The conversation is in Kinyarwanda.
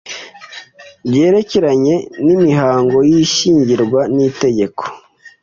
Byerekeranye n imihango y ishyingirwa n itegeko